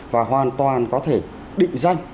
và hoàn toàn có thể định danh